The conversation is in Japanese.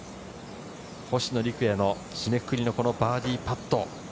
星野陸也の締めくくりのバーディーパット。